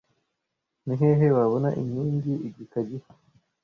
Ni hehe wabona inkingi igika gishya